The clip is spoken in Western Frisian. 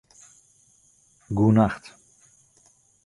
Goenacht